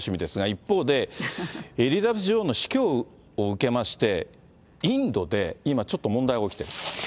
一方で、エリザベス女王の死去を受けまして、インドで、今ちょっと問題が起きています。